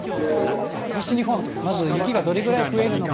西日本、まず雪がどれぐらい増えるのか。